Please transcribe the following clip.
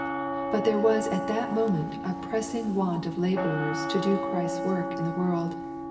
But there was at that moment a pressing want of laborers to do Christ's work in the world.